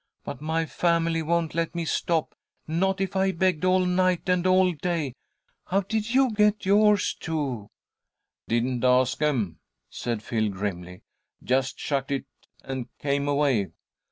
But my family won't let me stop, not if I begged all night and all day. How did you get yours to?" "Didn't ask 'em," said Phil, grimly. "Just chucked it, and came away."